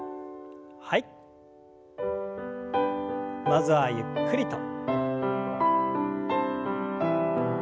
まずはゆっくりと。